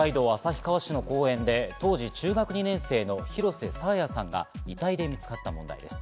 続いては、去年、北海道旭川市の公園で当時、中学２年生の廣瀬爽彩さんが遺体で見つかった問題です。